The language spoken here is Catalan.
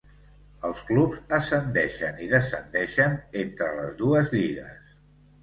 Els clubs ascendeixen i descendeixen entre les dues lligues.